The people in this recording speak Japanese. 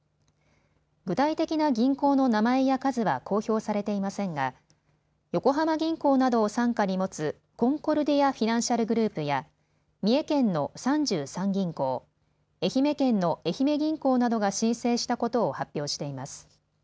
具体的な銀行の名前や数は公表されていませんが横浜銀行などを傘下に持つコンコルディア・フィナンシャルグループや三重県の三十三銀行、愛媛県の愛媛銀行などが申請したことを発表しています。